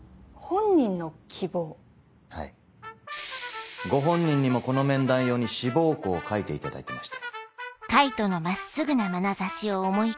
はいご本人にもこの面談用に志望校を書いていただいてまして。